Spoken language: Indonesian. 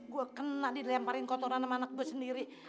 gue kena dilemparin kotoran sama anak gue sendiri